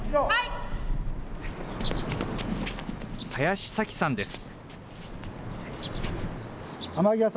林紗季さんです。